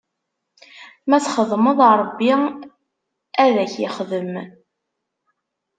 Ma txedmeḍ, Ṛebbi ad ak-ixdem.